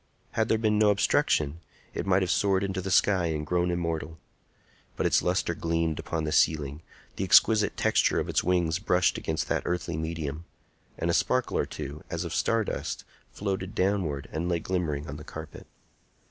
Had there been no obstruction, it might have soared into the sky and grown immortal. But its lustre gleamed upon the ceiling; the exquisite texture of its wings brushed against that earthly medium; and a sparkle or two, as of stardust, floated downward and lay glimmering on the carpet.